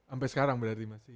ampe sekarang berarti masih